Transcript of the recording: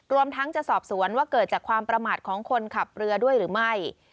รวมทั้งจะสอบสวนว่าเกิดจากความประมาทของคนขับเรือด้วยหรือไม่